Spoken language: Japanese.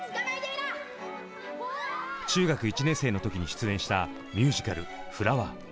中学１年生の時に出演したミュージカル「フラワー」。